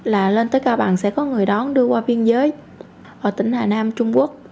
là lên tới cao bằng sẽ có người đón đưa qua biên giới ở tỉnh hà nam trung quốc